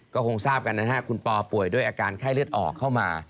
ก็คงทราบกันนะฮะคุณปอป่วยด้วยอาการไข้เลือดออกเข้ามา